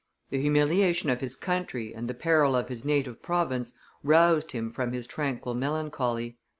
The humiliation of his country and the peril of his native province roused him from his tranquil melancholy.